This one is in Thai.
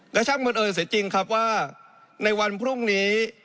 และช่างบังเอิญเสียจริงครับว่าในวันพรุ่งนี้